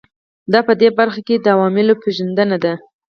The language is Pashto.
دا په دې برخه کې د عواملو پېژندنه ده.